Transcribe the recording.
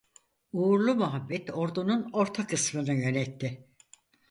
Uğurlu Muhammed ordunun orta kısmını yönetti.